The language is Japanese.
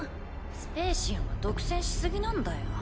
スペーシアンは独占し過ぎなんだよ。